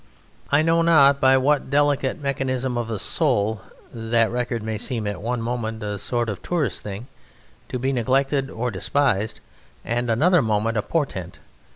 I know not by what delicate mechanism of the soul that record may seem at one moment a sort of tourist thing, to be neglected or despised, and at another moment a portent.